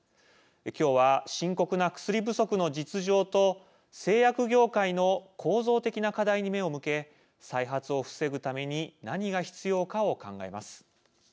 今日は、深刻な薬不足の実情と製薬業界の構造的な課題に目を向け再発を防ぐために何が必要かを考えます。